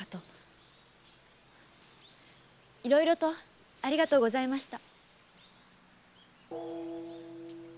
いろいろとありがとうございました。